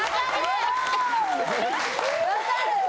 分かる！